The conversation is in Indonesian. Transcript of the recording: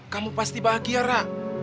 kamu pasti bahagia ra